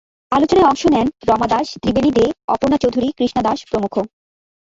আলোচনায় অংশ নেন রমা দাশ, ত্রিবেনী দে, অপর্ণা চৌধুরী, কৃষ্ণা দাস প্রমুখ।